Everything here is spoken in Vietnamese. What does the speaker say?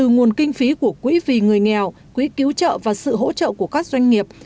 nguồn kinh phí của quỹ vì người nghèo quỹ cứu trợ và sự hỗ trợ của các doanh nghiệp